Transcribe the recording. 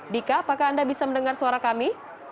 dika apakah anda bisa mendengar suara kami